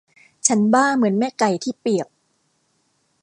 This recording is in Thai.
ฉันบ้าเหมือนแม่ไก่ที่เปียก